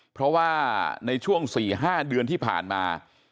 เพราะว่าในช่วง๔๕เดือนที่ผ่านมา